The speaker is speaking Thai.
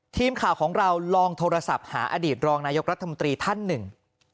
ทีมข่าวของเราลองโทรศัพท์หาอดีตรองนายกรัฐมนตรีท่านหนึ่ง